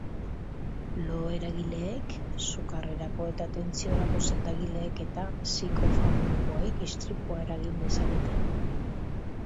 Lo-eragileek, sukarrerako eta tentsiorako sendagaiek eta psikofarmakoek istripua eragin dezakete.